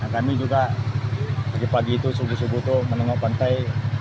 kami juga pagi pagi itu subuh subuh itu menengok pantai